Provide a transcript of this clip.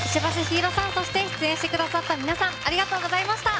陽彩さんそして出演してくださった皆さんありがとうございました。